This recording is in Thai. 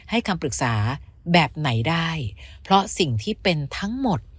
คำปรึกษาแบบไหนได้เพราะสิ่งที่เป็นทั้งหมด